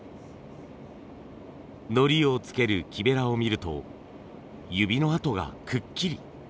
のりをつける木べらを見ると指のあとがくっきり。